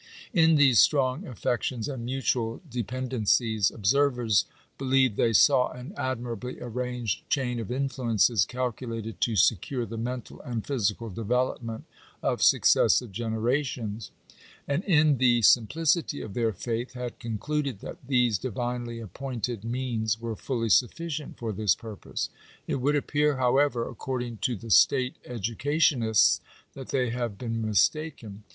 In these strong affections and mutual depend encies observers believed they saw an admirably arranged chain of influences, calculated to secure the mental and physical development of successive generations; and in the simplicity of their faith had concluded that these divinely appointed means were fully sufficient for this purpose. It would appear, however, according to the state educationists, that they have been mistaken.